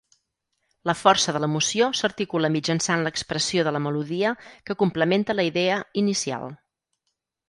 La força de l'emoció s'articula mitjançant l'expressió de la melodia que complementa la idea inicial.